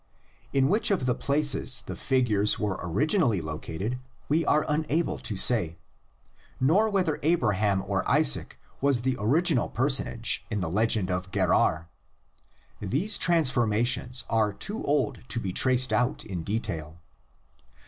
In which of the places the figures were originally located we are unable to say, nor whether Abraham or Isaac was the original personage in the legend of Gerar. These transformations are too old to be traced out in detail.